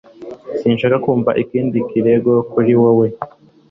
Sinshaka kumva ikindi kirego kuri wewe